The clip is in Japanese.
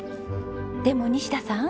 でも西田さん。